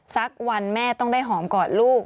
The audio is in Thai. สักวันแม่ต้องได้หอมกอดลูก